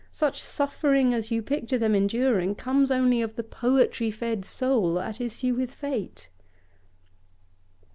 Such suffering as you picture them enduring comes only of the poetry fed soul at issue with fate.